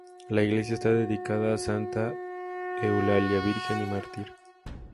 La iglesia está dedicada a santa Eulalia virgen y mártir.